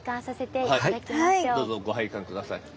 どうぞご拝観下さい。